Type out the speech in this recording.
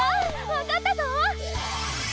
わかったぞ！